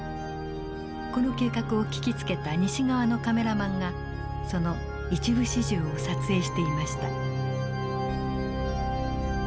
この計画を聞きつけた西側のカメラマンがその一部始終を撮影していました。